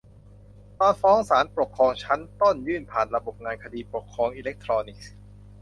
ตอนฟ้องศาลปกครองชั้นต้น ยื่นผ่านระบบงานคดีปกครองอิเล็กทรอนิกส์